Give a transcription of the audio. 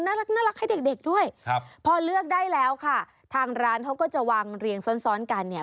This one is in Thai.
น่ารักให้เด็กเด็กด้วยครับพอเลือกได้แล้วค่ะทางร้านเขาก็จะวางเรียงซ้อนซ้อนกันเนี่ย